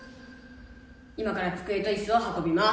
今から机といすを運びます。